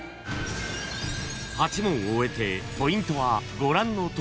［８問を終えてポイントはご覧のとおり］